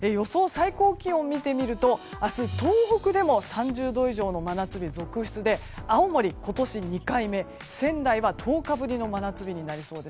最高気温を見てみても明日、東北でも３０度以上の真夏日が続出で青森は今年２回目仙台は１０日ぶりの真夏日です。